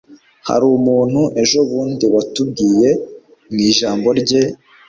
hari umuntu ejobundi watubwiye mu ijambo rye